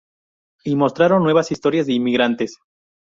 Y mostraron nuevas historias de inmigrantes.